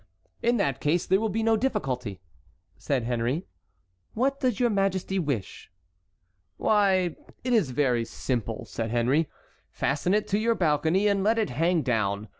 "In that case there will be no difficulty," said Henry. "What does your majesty wish?" "Why, it is very simple," said Henry. "Fasten it to your balcony and let it hang down.